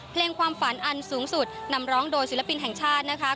เพลงความฝันอันสูงสุดนำร้องโดยศิลปินแห่งชาตินะคะ